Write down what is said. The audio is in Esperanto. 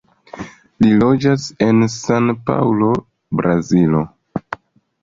Li loĝas en San-Paŭlo, Brazilo.